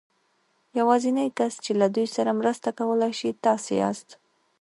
يوازېنی کس چې له دوی سره مرسته کولای شي تاسې ياست.